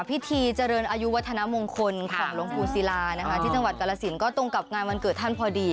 พิธีเจริญอายุวัฒนามงคลของหลวงปู่ศิลานะคะที่จังหวัดกาลสินก็ตรงกับงานวันเกิดท่านพอดี